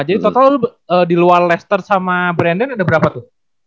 jadi total lu di luar leister sama brandon ada berapa tuh